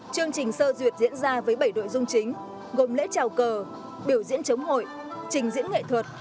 chương trình sơ duyệt diễn ra với bảy nội dung chính gồm lễ trào cờ biểu diễn chống hội trình diễn nghệ thuật